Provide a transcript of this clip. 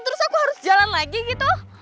terus aku harus jalan lagi gitu